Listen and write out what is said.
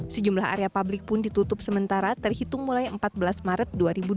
sejumlah area publik pun ditutup sementara terhitung mulai empat belas maret dua ribu dua puluh